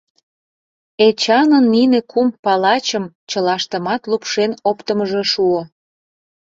Эчанын нине кум палачым чылаштымат лупшен оптымыжо шуо.